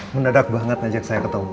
mendadak banget ngajak saya ketemu